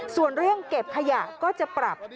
ส่วนเรื่องเก็บขยะก็จะปรับ